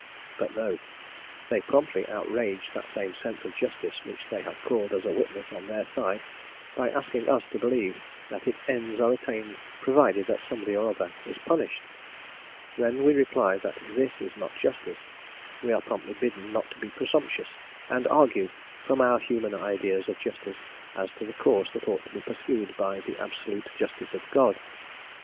But, no; they promptly outrage that same sense of justice which they have called as a witness on their side, by asking us to believe that its ends are attained provided that somebody or other is punished. When we reply that this is not justice, we are promptly bidden not to be presumptuous and argue from our human ideas of justice as to the course that ought to be pursued by the absolute justice of God.